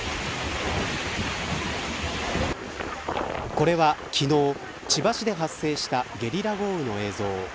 これは昨日千葉市で発生したゲリラ豪雨の映像。